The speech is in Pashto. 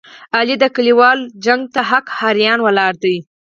علي د کلیوالو شخړې ته حق حیران ولاړ دی.